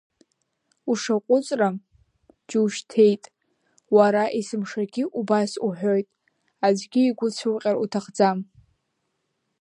Ушаҟәыҵра, џьушьҭеит, уара есымшагьы убас уҳәоит, аӡәгьы игәы цәуҟьар уҭахӡам…